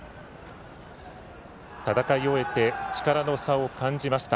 戦い終えて力の差を感じました。